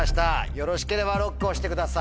よろしければＬＯＣＫを押してください。